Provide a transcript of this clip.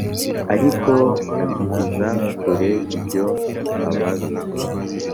ariko azigiza kure ibyo ababi